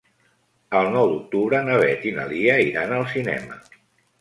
El nou d'octubre na Beth i na Lia iran al cinema.